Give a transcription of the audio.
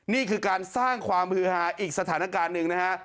นี่คือการสร้างความฮือฮาอีกสถานการณ์หนึ่งนะฮะ